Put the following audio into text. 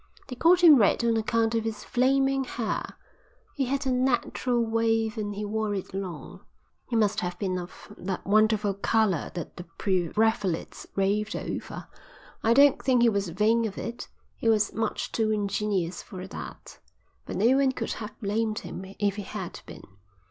They called him Red on account of his flaming hair. It had a natural wave and he wore it long. It must have been of that wonderful colour that the pre Raphaelites raved over. I don't think he was vain of it, he was much too ingenuous for that, but no one could have blamed him if he had been.